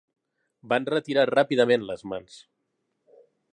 Va enretirar ràpidament les mans.